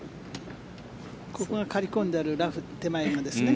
ここが刈り込んであるラフ手前ですね。